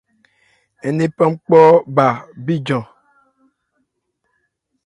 Ńnephan kpɔɔ́ bha bíjan.